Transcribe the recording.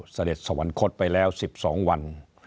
เสด็จสวรรคตไปแล้ว๑๒วัน